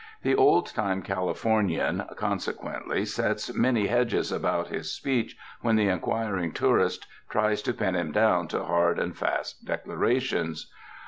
The old time Californian, conse quently, sets many hedges about his speech when the inquiring tourist tries to pin him down to hard and fast declarations.